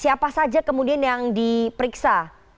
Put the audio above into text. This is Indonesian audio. siapa saja kemudian yang diperiksa